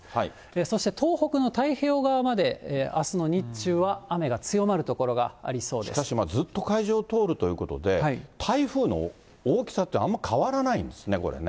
そして東北の太平洋側まであすの日中は雨が強まる所がありそうでしかしずっと海上通るということで、台風の大きさってあんま変わらないんですね、これね。